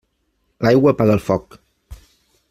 L'aigua apaga el foc.